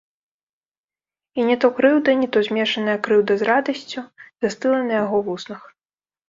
І не то крыўда, не то змешаная крыўда з радасцю застыла на яго вуснах.